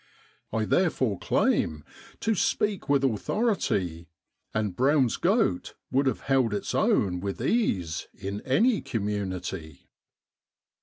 I there fore claim to speak with authority, and Brown's goat would have held its own with ease in any community.